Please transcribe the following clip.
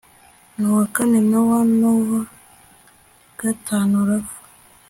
n uwa kane Noha n uwa gatanu Rafa